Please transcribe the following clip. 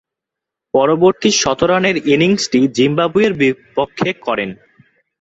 পরবর্তী শতরানের ইনিংসটি জিম্বাবুয়ের বিপক্ষে করেন।